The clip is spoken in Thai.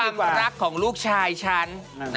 ช่วงหน้าความรักของลูกชายฉัน